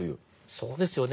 そうですよね。